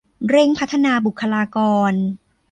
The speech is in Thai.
เร่งพัฒนาบุคลากร